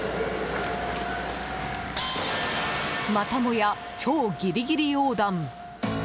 またもや、超ギリギリ横断。